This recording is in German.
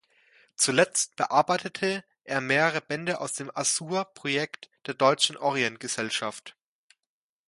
Zuletzt bearbeitete er mehrere Bände aus dem Assur-Projekt der Deutschen Orient-Gesellschaft.